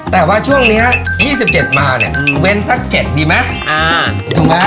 แต่ว่าช่วงนี้๒๗มาเนี่ยเว้นสัก๗ดีไหม